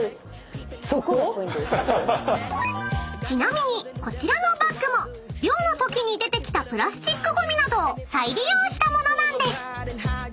［ちなみにこちらのバッグも漁のときに出てきたプラスチックゴミなどを再利用した物なんです］